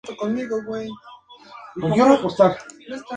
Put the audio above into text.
Fueron una de las bandas fundadoras del rock colombiano.